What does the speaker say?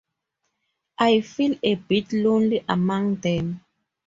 I feel a bit lonely among them.